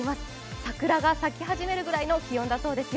桜が咲き始めるくらいの気温だそうですよ。